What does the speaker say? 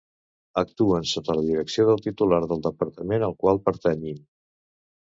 Actuen sota la direcció del titular del departament al qual pertanyin.